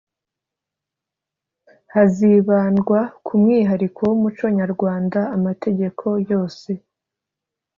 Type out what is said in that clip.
hazibandwa ku mwihariko w umuco nyarwanda amategeko yose